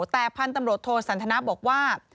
แต่พันธุ์ตำรวจโทสันทนาบอกว่า